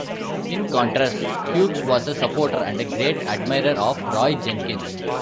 In contrast, Hughes was a supporter, and a great admirer of Roy Jenkins.